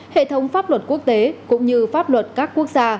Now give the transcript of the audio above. hệ thống pháp luật quốc tế cũng như pháp luật các quốc gia